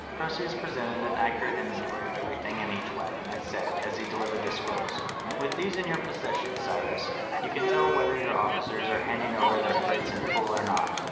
Croesus presented an accurate inventory of everything in each waggon, and said, as he delivered the scrolls: "With these in your possession, Cyrus, you can tell whether your officers are handing over their freights in full or not."